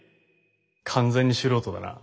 完全に素人だな。